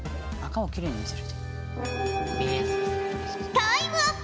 タイムアップ